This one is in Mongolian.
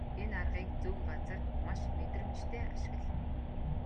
Энэ аргыг зөв газар маш мэдрэмжтэй ашигла.